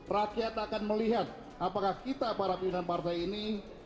rakyat akan melihat apakah kita para pimpinan partai ini